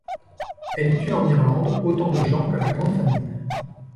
Elle tue en Irlande autant de gens que la Grande Famine.